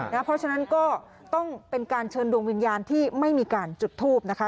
เพราะฉะนั้นก็ต้องเป็นการเชิญดวงวิญญาณที่ไม่มีการจุดทูบนะคะ